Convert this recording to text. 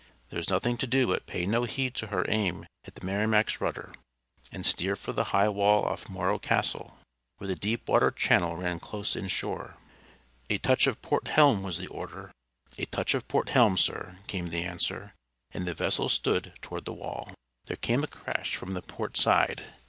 There was nothing to do but pay no heed to her aim at the Merrimac's rudder, and steer for the high wall off Morro Castle, where the deep water channel ran close inshore. "A touch of port helm!" was the order. "A touch of port helm, sir," came the answer; and the vessel stood toward the wall. There came a crash from the port side.